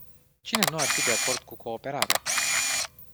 Cine nu ar fi de acord cu cooperarea?